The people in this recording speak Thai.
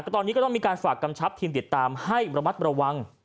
ตอนนี้ก็ต้องมีการฝากกำชับทีมติดตามให้ระมัดระวัง